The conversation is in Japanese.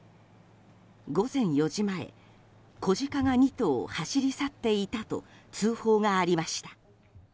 午前４時前子ジカが２頭走り去っていたと通報がありました。